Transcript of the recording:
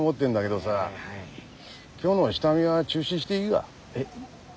どさ今日の下見は中止していいが？えっ？